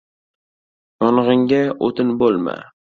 • Yong‘inga o‘tin bo‘lma.